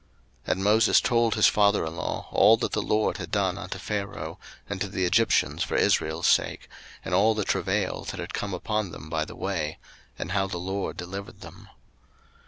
02:018:008 And Moses told his father in law all that the LORD had done unto Pharaoh and to the Egyptians for Israel's sake, and all the travail that had come upon them by the way, and how the LORD delivered them.